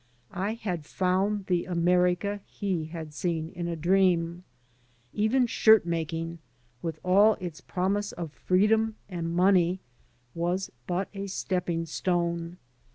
I had found the America he had seen in a dream. Even shirt making with all its promise of freedom and money was but a stepping stone.